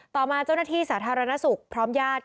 ต่อมาเจ้าหน้าที่สาธารณสุขพร้อมญาติ